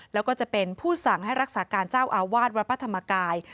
แล้วก็จะเป็นผู้สั่งให้รักษาการเจ้าอาวาสวัดพระธรรมกาย